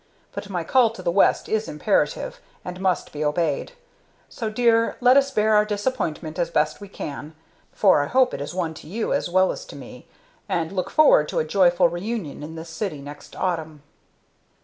But my call to the West is imperative, and must be obeyed. So, dear, let us bear our disappointment as best we can, for I hope it is one to you as well as to me, and look forward to a joyful reunion in this city next autumn."